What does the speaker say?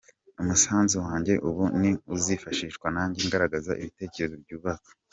Umusanzu wanjye ubu ni ukuzifashisha nanjye ngaragaza ibitekerezo byubaka.